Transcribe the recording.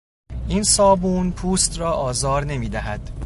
این صابون پوست را آزار نمیدهد.